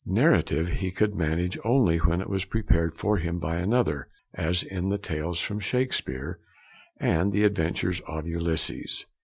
Narrative he could manage only when it was prepared for him by another, as in the Tales from Shakespeare and the Adventures of Ulysses.